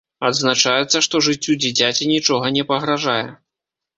Адзначаецца, што жыццю дзіцяці нічога не пагражае.